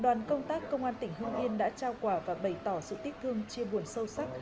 đoàn công tác công an tỉnh hương yên đã trao quà và bày tỏ sự tiếc thương chia buồn sâu sắc